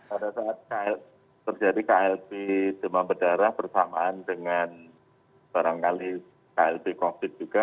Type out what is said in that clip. pada saat terjadi klb demam berdarah bersamaan dengan barangkali klb covid juga